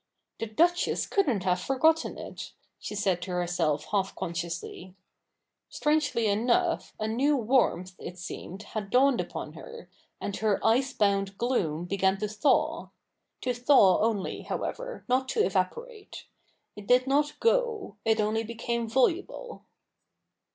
' The Duchess couldn't have forgotten it,' she said to herself half consciously. Strangely enough, a new warmth, it seemed, had dawned upon her, and her ice bound gloom began to thaw — to thaw only, however, not to evaporate. It did not go ; it only became voluble.